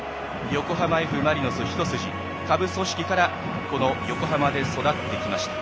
横浜Ｆ・マリノス一筋下部組織からこの横浜で育ってきました。